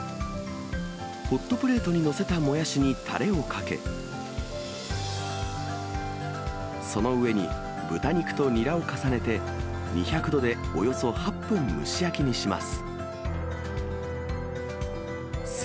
ホットプレートに載せたもやしにたれをかけ、その上に豚肉とニラを重ねて、２００度でおよそ８分蒸し焼きにします。